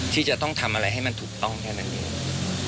ที่จะต้องทำอะไรให้มันถูกต้องแค่นั้นเอง